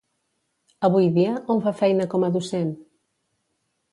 Avui dia, on fa feina com a docent?